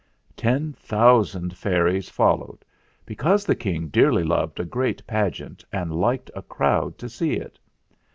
Ten thousand fairies followed ; because the King dearly loved a great pageant and liked a crowd to see it.